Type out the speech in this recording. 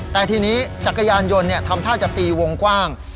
แต่ทีนี้จักรยานยนต์ทำท่าจะตีวงกว้าง